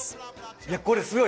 いやこれすごい。